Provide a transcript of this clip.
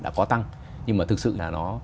đã có tăng nhưng mà thực sự là nó